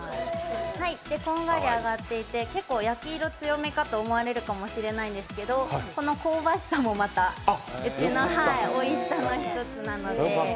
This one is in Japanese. こんがり揚がっていて焼き色強めかと思われるかもしれないんですけどこの香ばしさもまたうちのおいしさの一つなので。